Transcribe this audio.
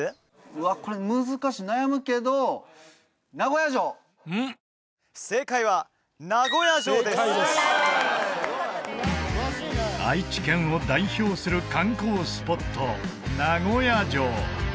うわっこれ難しい悩むけど正解は愛知県を代表する観光スポット名古屋城